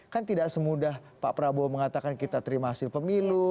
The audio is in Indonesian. kan tidak semudah pak prabowo mengatakan kita terima hasil pemilu